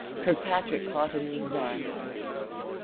Kirkpatrick caught him in his arms.